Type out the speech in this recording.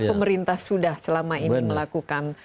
pemerintah sudah selama ini melakukan